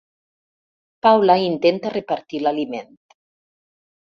Paula intenta repartir l'aliment.